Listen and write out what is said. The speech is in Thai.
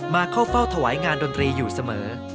เข้าเฝ้าถวายงานดนตรีอยู่เสมอ